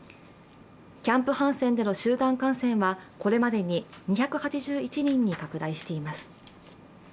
キャンプ・ハンセンでの集団感染はこれまでに２８１人に拡大しています。